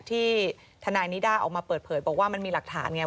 ที่ทนายนิด้าออกมาเปิดเผยบอกว่ามันมีหลักฐานไง